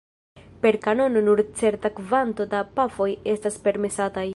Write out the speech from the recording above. Per kanono nur certa kvanto da pafoj estas permesataj.